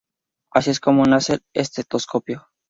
Así es como nace el estetoscopio.